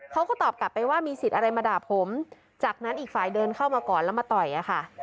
เขาก็ตอบกลับไปว่ามีสิทธิ์อะไรมาด่าผมจากนั้นอีกฝ่ายเดินเข้ามาก่อนแล้วมาต่อยอะค่ะ